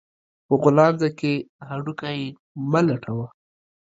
په غولانځه کې هډو کى مه لټوه